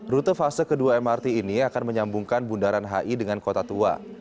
rute fase kedua mrt ini akan menyambungkan bundaran hi dengan kota tua